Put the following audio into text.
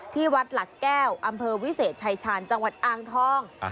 ที่วัดหลักแก้วอำเภอวิเศษชายชาญจังหวัดอ่างทอง